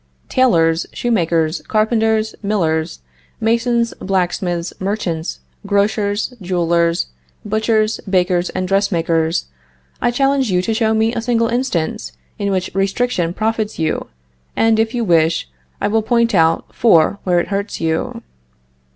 Tailors, shoemakers, carpenters, millers, masons, blacksmiths, merchants, grocers, jewelers, butchers, bakers and dressmakers, I challenge you to show me a single instance in which restriction profits you, and if you wish, I will point out four where it hurts you.